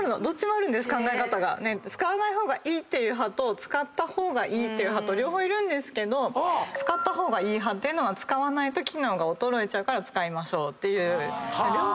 使わない方がいいっていう派と使った方がいいっていう派と両方いるんですけど使った方がいい派っていうのは使わないと機能が衰えちゃうから使いましょうっていう。